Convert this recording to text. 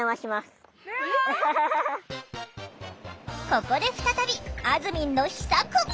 ここで再びあずみんの秘策！